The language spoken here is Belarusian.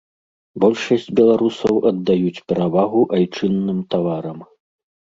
Большасць беларусаў аддаюць перавагу айчынным таварам.